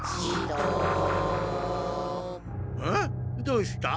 どうした？